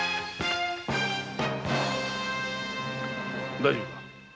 大丈夫か？